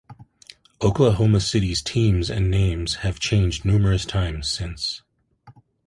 Oklahoma City's teams and names have changed numerous times since.